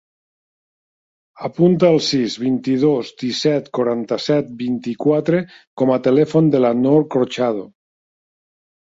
Apunta el sis, vint-i-dos, disset, quaranta-set, vint-i-quatre com a telèfon de la Nour Corchado.